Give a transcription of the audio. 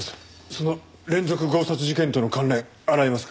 その連続強殺事件との関連洗いますか？